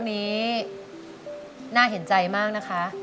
อเรนนี่คือเหตุการณ์เริ่มต้นหลอนช่วงแรกแล้วมีอะไรอีก